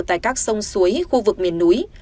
tại các sông suối khu vực miền núi